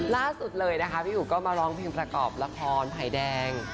ล่าสุดเลยนะคะพี่อุ๋ก็มาร้องเพลงประกอบละครภัยแดง